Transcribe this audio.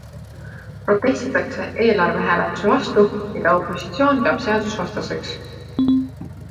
Protestitakse eelarvehääletuse vastu, mida opositsioon peab seadusvastaseks.